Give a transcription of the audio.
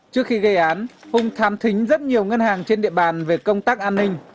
trước khi gây án hùng tham thính rất nhiều ngân hàng trên địa bàn về công tác an ninh